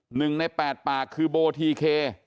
หนึ่งในแปดปากคือโบทีเค